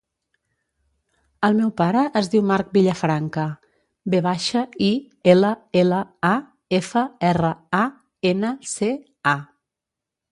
El meu pare es diu Marc Villafranca: ve baixa, i, ela, ela, a, efa, erra, a, ena, ce, a.